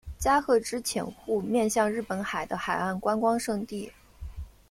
加贺之潜户面向日本海的海岸观光胜地。